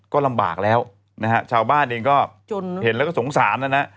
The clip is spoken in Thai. ก็ลำบากแล้วนะฮะชาวบ้านเองก็เห็นแล้วก็สงสารนะนะ